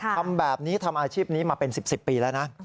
ทำแบบนี้ทำอาชีพนี้มาเป็น๑๐ปีแล้วนะ